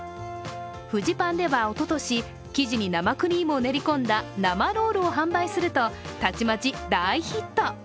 フジパンではおととし、生地に生クリームを練り込んだ生ろぉるを販売するとたちまち大ヒット。